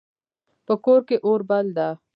په کور کې اور بل ده